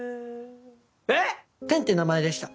えっ⁉「てん」って名前でした。